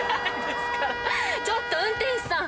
ちょっと運転手さん！